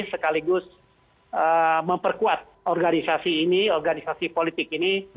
sekaligus memperkuat organisasi ini organisasi politik ini